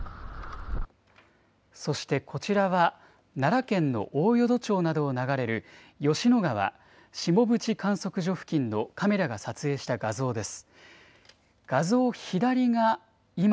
そして、こちらは、奈良県の大淀町などを流れる吉野川、しもぶち観測所付近のカメラが撮影した画像です。